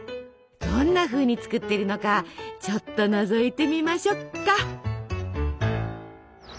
どんなふうに作っているのかちょっとのぞいてみましょっか。